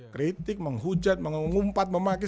kritik menghujat mengumpat memakai